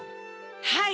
はい。